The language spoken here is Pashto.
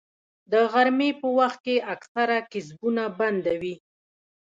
د غرمې په وخت کې اکثره کسبونه بنده وي